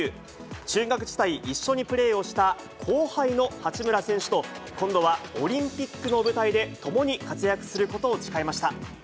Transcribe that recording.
中学時代、一緒にプレーをした後輩の八村選手と、今度はオリンピックの舞台で共に活躍することを誓いました。